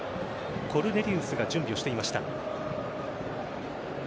コルネリウスが準備をしていました。